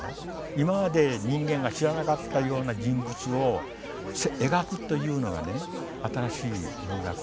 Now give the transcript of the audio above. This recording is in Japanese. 今まで人間が知らなかったような人物を描くというのがね新しい文学。